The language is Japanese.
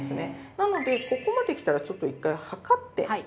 なのでここまできたらちょっと１回量って。